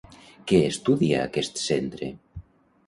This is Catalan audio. Què estudia aquest centre?